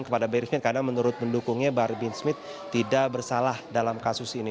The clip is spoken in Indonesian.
karena menurut pendukungnya bahar bin smith tidak bersalah dalam kasus ini